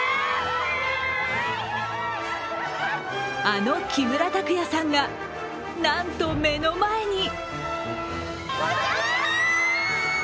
あの木村拓哉さんが、なんと目の前に。